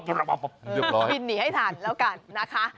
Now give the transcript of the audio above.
เรียบร้อยบินหนีให้ทันแล้วกันนะคะ